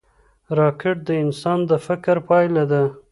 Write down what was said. راکټ د انسان د فکر پایله ده